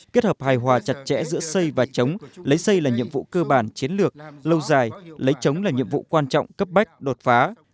kết hợp hài hòa chặt chẽ giữa xây và chống lấy xây là nhiệm vụ cơ bản chiến lược lâu dài lấy chống là nhiệm vụ quan trọng cấp bách đột phá